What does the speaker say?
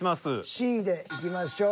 Ｃでいきましょう。